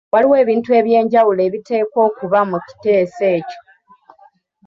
Waliwo ebintu eby’enjawulo ebiteekwa okuba mu kiteeso ekyo.